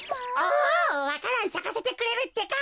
おわか蘭さかせてくれるってか。